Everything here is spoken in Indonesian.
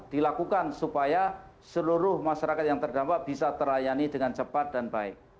dilakukan supaya seluruh masyarakat yang terdampak bisa terlayani dengan cepat dan baik